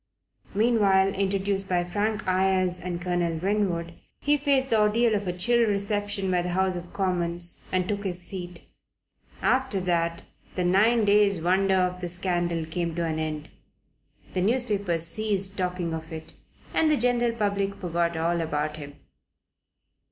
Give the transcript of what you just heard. Meanwhile, introduced by Frank Ayres and Colonel Winwood, he faced the ordeal of a chill reception by the House of Commons and took his seat. After that the nine days' wonder of the scandal came to an end; the newspapers ceased talking of it and the general public forgot all about him.